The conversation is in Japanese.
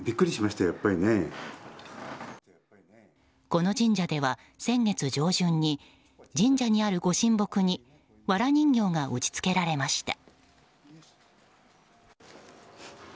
この神社では先月上旬に神社にあるご神木にわら人形が打ち付けられました。